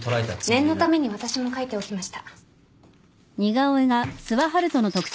念のために私も描いておきました。